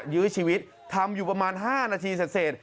ยื้อชีวิตทำอยู่ประมาณ๕นาทีเสร็จ